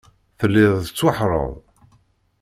Telliḍ tettwaḥeṛṛeḍ.